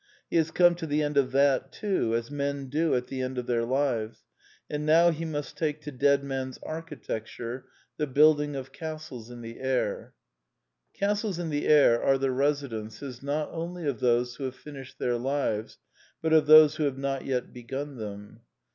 He has come to the end of that too, as men do at the end of their lives; and now he must take to dead men's architecture, the building of castles in the air. Castles in the air are the residences not only of those who have finished their lives, but of those who have not yet begun them.